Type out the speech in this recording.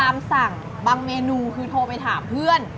สั่งบางเมนูคือโทรไปถามเพื่อน